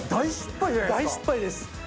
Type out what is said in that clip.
大失敗です。